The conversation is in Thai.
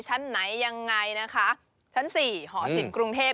ชั้นไหนยังไงนะคะชั้นสี่หอศิลปกรุงเทพ